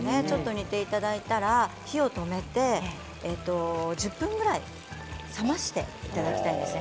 煮ていただいたら、火を止めて１０分くらい冷ましていただきたいんですね。